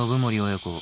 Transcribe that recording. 親子